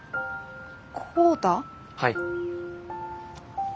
はい。